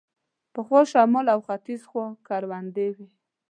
پخوا شمال او ختیځ خوا کروندې وې.